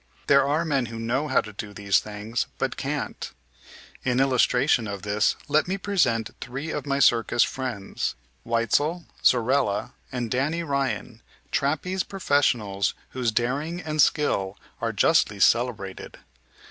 There are men who know how to do these things, but can't. In illustration of this let me present three of my circus friends, Weitzel and Zorella and Danny Ryan, trapeze professionals whose daring and skill are justly celebrated.